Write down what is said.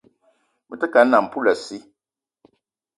Me te ke a nnam poulassi